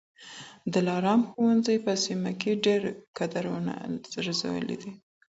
د دلارام ښوونځي په سیمه کي ډېر کدرونه روزلي دي.